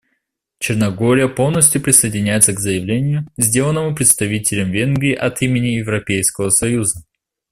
Черногория полностью присоединяется к заявлению, сделанному представителем Венгрии от имени Европейского союза.